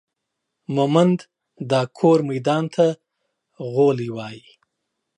مومند دا کور ميدان ته غولي وايي